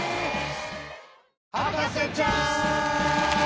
『博士ちゃん』！